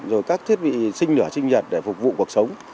rồi các thiết bị sinh lửa sinh nhật để phục vụ cuộc sống